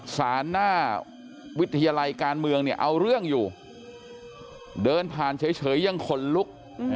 สารหน้าวิทยาลัยการเมืองเนี่ยเอาเรื่องอยู่เดินผ่านเฉยยังขนลุก